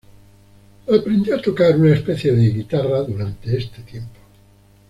Aprendió a tocar una especie de guitarra durante este tiempo.